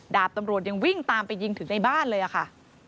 ดาบตำรวจยังวิ่งตามไปยิงถึงในบ้านเลยค่ะ